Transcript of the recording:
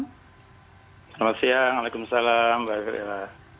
selamat siang waalaikumsalam baik ria